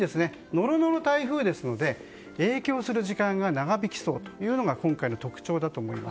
ノロノロ台風ですので影響する時間が長引きそうというのが今回の特徴だと思います。